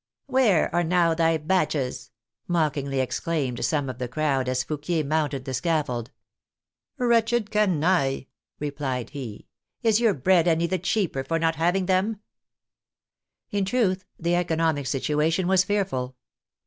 " Where are now thy batches?*' mockingly exclaimed some of the crowd, as Fouquier mounted the scaffold. " Wretched canaille'* replied he, '' is your bread any the cheaper for not having 100 THE FRENCH REVOLUTION them ?'' In truth, the economic situation was fearful.